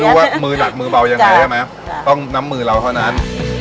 ว่ามือหนักมือเบายังไงใช่ไหมต้องน้ำมือเราเท่านั้น